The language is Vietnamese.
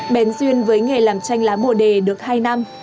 bến duyên với nghề làm tranh lá bồ đề được hai năm